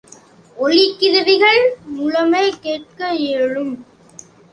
ஒலிக்கருவிகள் மூலமே கேட்க இயலும்.